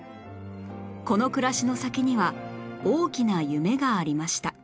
この暮らしの先には大きな夢がありました